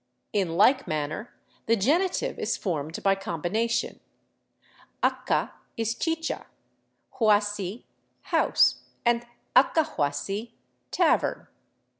In like manner the genitive is formed by combination; acca is chicha, huasi, house, and accahuasi, tavern.